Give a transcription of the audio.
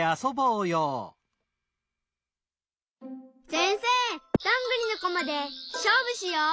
せんせいどんぐりのこまでしょうぶしよう。